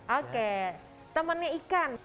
oke temannya ikan